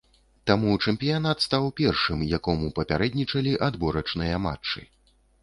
Таму чэмпіянат стаў першым, якому папярэднічалі адборачныя матчы.